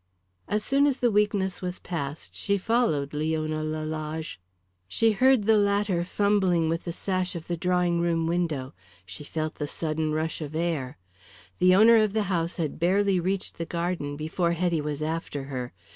As soon as the weakness was passed, she followed Leona Lalage. She heard the latter fumbling with the sash of the drawing room window, she felt the sudden rush of air. The owner of the house had barely reached the garden before Hetty was after her.